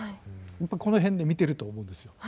やっぱこの辺で見てると思うんですよ。